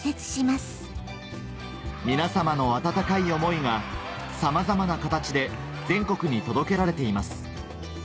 皆様の温かい思いがさまざまな形で全国に届けられています